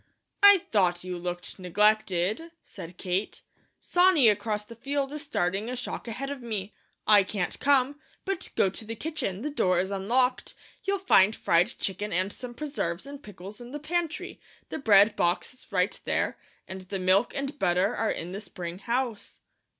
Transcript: "I thought you looked neglected," said Kate. "Sonny across the field is starting a shock ahead of me; I can't come, but go to the kitchen the door is unlocked you'll find fried chicken and some preserves and pickles in the pantry; the bread box is right there, and the milk and butter are in the spring house."